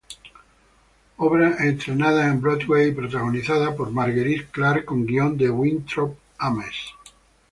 Obra estrenada en Broadway y protagonizada por Marguerite Clark con guion de Winthrop Ames.